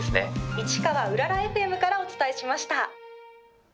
市川うららＦＭからお伝えしました。